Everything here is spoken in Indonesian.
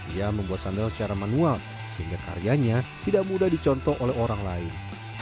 ia membuat sandal secara manual sehingga karyanya tidak mudah dicontoh oleh orang lain